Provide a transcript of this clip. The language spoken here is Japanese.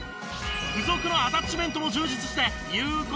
付属のアタッチメントも充実して言う事なし！